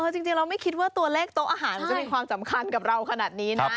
จริงเราไม่คิดว่าตัวเลขโต๊ะอาหารมันจะมีความสำคัญกับเราขนาดนี้นะ